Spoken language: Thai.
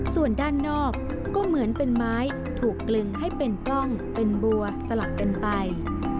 ส่วนด้านนอกก็เหมือนเป็นไม้ถูกกลึงให้เป็นกล้องเป็นบัวสลับกันไป